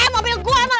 mobil gua sama bapak